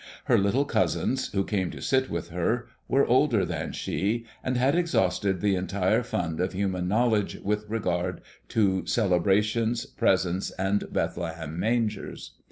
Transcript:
Her little cousins, who came to sit with her, were older than she, and had exhausted the entire fund of human knowledge with regard to celebrations, presents, and Bethlehem mangers.